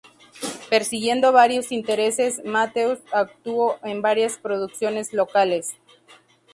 Persiguiendo varios intereses, Matthews actuó en varias producciones locales.